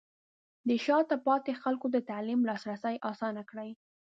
د شاته پاتې خلکو ته د تعلیم لاسرسی اسانه کړئ.